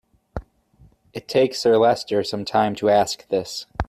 It takes Sir Leicester some time to ask this.